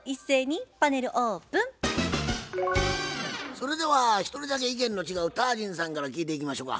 それでは一人だけ意見の違うタージンさんから聞いていきましょか。